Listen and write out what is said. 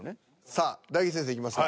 さあ大吉先生いきますか。